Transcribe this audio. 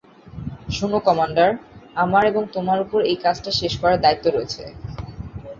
শোনো কমান্ডার, আমার এবং তোমার উপর এই কাজটা শেষ করার দায়িত্ব রয়েছে।